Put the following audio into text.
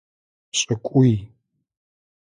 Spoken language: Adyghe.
Пшӏыкӏуи.